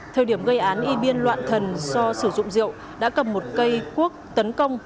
thời điểm gây án ibn loạn thần do sử dụng rượu đã cầm một cây cuốc tấn công